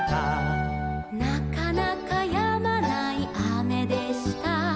「なかなかやまないあめでした」